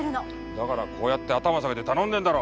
だからこうやって頭下げて頼んでるだろ！